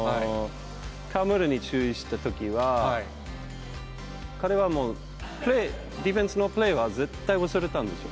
河村に注意したときは、彼はもうプレー、ディフェンスのプレーは絶対忘れたんですよ。